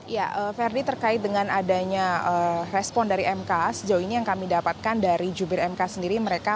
ya ferdi terkait dengan adanya respon dari mk sejauh ini yang kami dapatkan dari jubir mk sendiri mereka